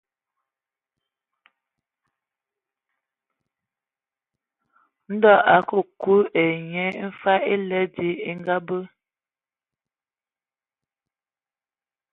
Ndɔ a akə kii ai nye mfag èle dzi e ngabe.